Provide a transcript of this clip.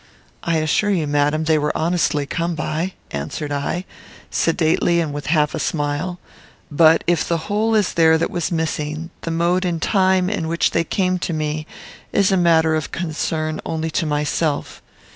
"I assure you, madam, they were honestly come by," answered I, sedately and with half a smile; "but, if the whole is there that was missing, the mode and time in which they came to me is matter of concern only to myself.